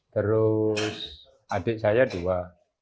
terus adik saya dua